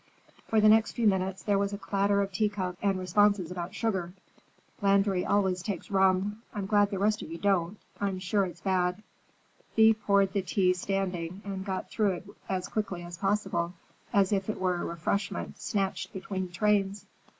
For the next few minutes there was a clatter of teacups and responses about sugar. "Landry always takes rum. I'm glad the rest of you don't. I'm sure it's bad." Thea poured the tea standing and got through with it as quickly as possible, as if it were a refreshment snatched between trains.